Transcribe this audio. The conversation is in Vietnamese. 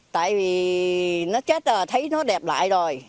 tại vì nó chết là thấy nó đẹp lại rồi